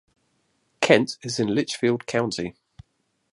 Kent is in Litchfield County.